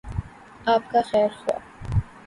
آپ کا خیرخواہ۔